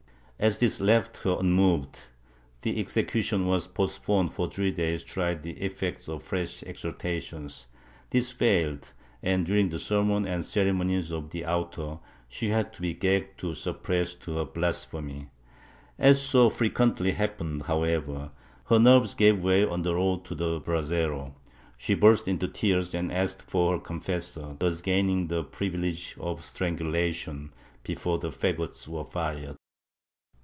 As this left her unmoved the execution was postponed for three days to try the effect of fresh exhortations. This failed and, during the sermon and ceremonies of the auto, she had to be gagged to suppress her blasphemy. As so frequently happened however, her nerves gave way on the road to the brasero ; she burst into tears and asked for a confessor, thus gaining the privilege of strangulation before the faggots were fired.